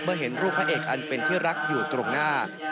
เห็นรูปพระเอกอันเป็นที่รักอยู่ตรงหน้า